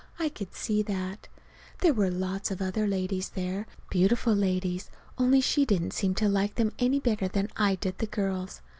I could see that. There were lots of other ladies there beautiful ladies only she didn't seem to like them any better than I did the girls.